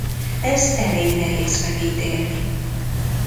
Ezt elég nehéz megítélni.